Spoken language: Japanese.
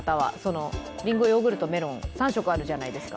りんご、ヨーグルト、メロン３色あるじゃないですか。